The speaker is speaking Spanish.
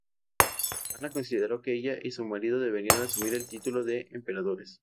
Ana consideró que ella y su marido deberían asumir el título de emperadores.